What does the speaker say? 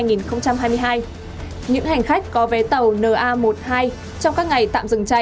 những hành khách có vé tàu na một mươi hai trong các ngày tạm dừng chạy